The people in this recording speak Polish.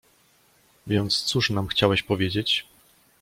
"Więc cóż nam chciałeś powiedzieć?"